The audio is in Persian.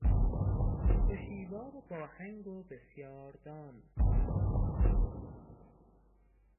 هشیوار و باهنگ و بسیار دان